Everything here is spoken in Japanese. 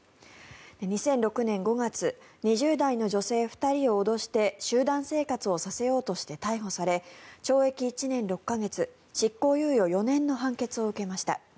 ２００６年５月２０代の女性２人を脅して集団生活をさせようとして逮捕され懲役１年６か月、執行猶予４年の判決を受けました。